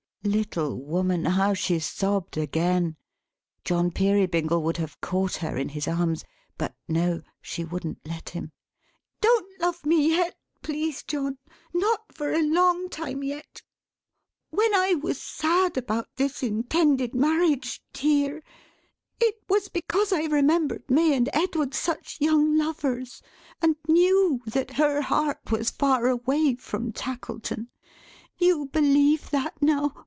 Little woman, how she sobbed again! John Peerybingle would have caught her in his arms. But no; she wouldn't let him. "Don't love me yet, please John! Not for a long time yet! When I was sad about this intended marriage, dear, it was because I remembered May and Edward such young lovers; and knew that her heart was far away from Tackleton. You believe that, now.